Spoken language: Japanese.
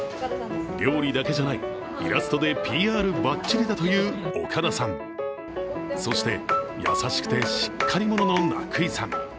料理だけじゃない、イラストでＰＲばっちりだという岡田さん、そして、優しくてしっかり者の名久井さん。